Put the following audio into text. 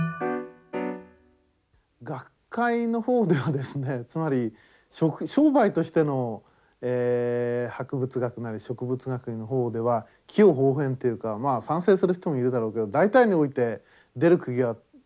学会の方ではですねつまり商売としての博物学なり植物学の方では毀誉褒貶というかまあ賛成する人もいるだろうけど大体において「出る杭は打たれる」っていいますかね